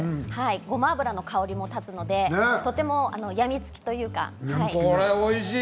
ごま油の香りが立つのでとても病みつきというか。